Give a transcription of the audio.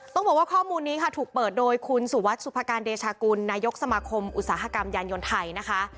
ต้องบอกว่าข้อมูลนี้ค่ะถูกเปิดโดยคุณสุวัสดิสุภาการเดชากุลนายกสมาคมอุตสาหกรรมยานยนต์ไทยนะคะ